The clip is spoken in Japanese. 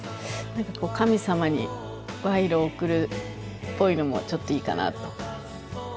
神様に賄賂を贈るっぽいのもちょっといいかなと。